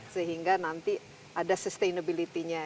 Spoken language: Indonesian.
sehingga nanti ada sustainabilitinya